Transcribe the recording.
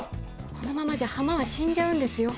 このままじゃ浜は死んじゃうんですよ。